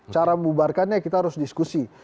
cara membubarkannya kita harus diskusi